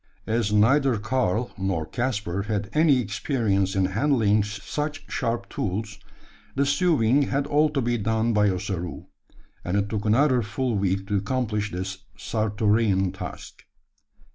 As neither Karl nor Caspar had any experience in handling such sharp tools, the sewing had all to be done by Ossaroo; and it took another full week to accomplish this Sartorean task.